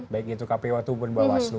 baik itu kpu ataupun bawaslu